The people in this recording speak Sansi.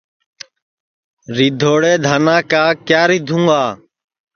ریدھوڑے دھانا کا کِیا ریدھُوں گا